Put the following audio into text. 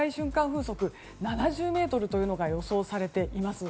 風速７０メートルというのが予想されています。